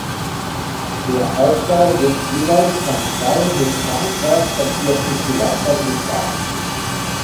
Der Aufbau wird jeweils von zwei mit Rankwerk verzierten Pilastern getragen.